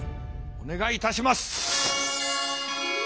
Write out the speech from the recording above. お願いいたします。